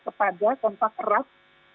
kepada kontak eras